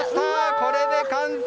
これで完成！